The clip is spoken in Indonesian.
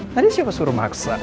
tadi siapa suruh maksa